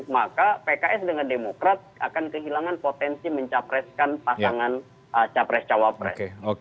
maka pks dengan demokrat akan kehilangan potensi mencapreskan pasangan capres cawapres